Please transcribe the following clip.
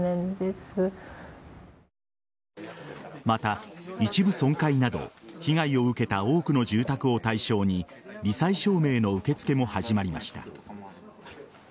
また、一部損壊など被害を受けた多くの住宅を対象に罹災証明の受け付けも始まりました。